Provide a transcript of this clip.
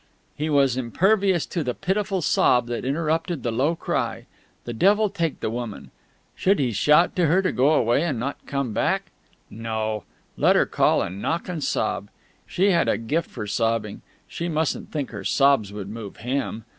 He was impervious to the pitiful sob that interrupted the low cry. The devil take the woman! Should he shout to her to go away and not come back? No: let her call and knock and sob. She had a gift for sobbing; she mustn't think her sobs would move him.